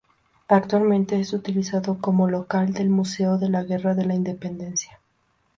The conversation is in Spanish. Actualmente es utilizado como local del Museo de la Guerra de la Independencia.